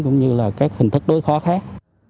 cũng như là các hình thức đối khóa khác